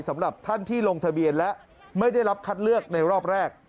สำหรับท่านที่ลงทะเบียนและไม่ได้รับคัดเลือกในรอบแรก